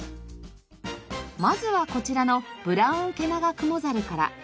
まずはこちらのブラウンケナガクモザルから。